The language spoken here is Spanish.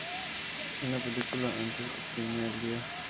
En la película "Antes que termine el día".